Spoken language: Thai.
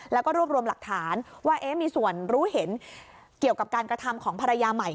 แล้วก็รวบรวมหลักฐานว่ามีส่วนรู้เห็นเกี่ยวกับการกระทำของภรรยาใหม่